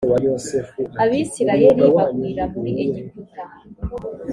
abisirayeli bagwirira muri egiputa